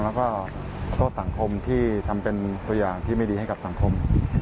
แล้วก็โทษสังคมที่ทำเป็นตัวอย่างที่ไม่ดีให้กับสังคม